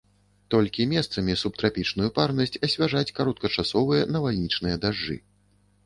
Толькі месцамі субтрапічную парнасць асвяжаць кароткачасовыя навальнічныя дажджы.